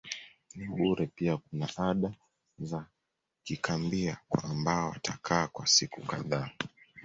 ni bure pia kuna ada za kikambia kwa ambao watakaa kwa siku kadhaa